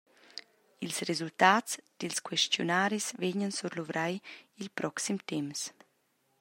Ils resultats dils questiunaris vegnan surluvrai il proxim temps.